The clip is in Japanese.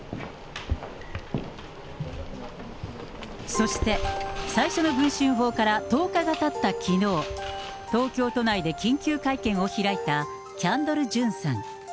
そして、最初の文春砲から１０日がたったきのう、東京都内で緊急会見を開いたキャンドル・ジュンさん。